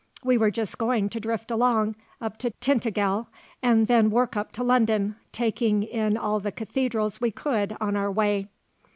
"We were just going to drift along up to Tintagel and then work up to London, taking in all the cathedrals we could on our way."